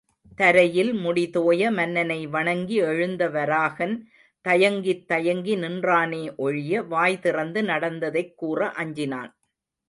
தரையில் முடிதோய மன்னனை வணங்கி எழுந்த வராகன், தயங்கித் தயங்கி நின்றானே ஒழிய வாய்திறந்து நடந்ததைக் கூற அஞ்சினான்.